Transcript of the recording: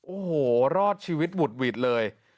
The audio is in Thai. โอ้โหรอดชีวิตหวุดหวิดเลย